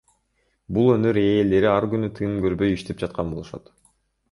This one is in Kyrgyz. Бул өнөр ээлери ар күнү тыным көрбөй иштеп жаткан болушат.